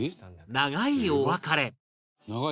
「『長いお別れ』」